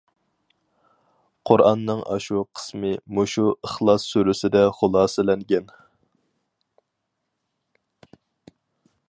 قۇرئاننىڭ ئاشۇ قىسمى مۇشۇ ئىخلاس سۈرىسىدە خۇلاسىلەنگەن.